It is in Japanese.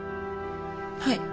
はい。